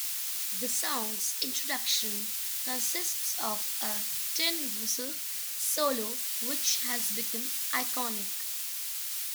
The song's introduction consists of a tin whistle solo which has become iconic.